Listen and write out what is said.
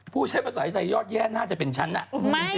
ใช้ภาษาไทยยอดแย่น่าจะเป็นฉันน่ะ